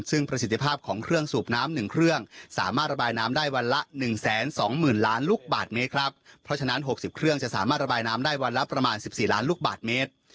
ซึ่งประสิทธิภาพของเครื่องสูบน้ำหนึ่งเครื่องสามารถระบายน้ำได้วันละหนึ่งแสนสองหมื่นล้านลูกบาทเมตรครับเพราะฉะนั้น๖๐เครื่องจะสามารถระบายน้ำได้วันละประมาณสิบสี่ล้านลูกบาทเมตร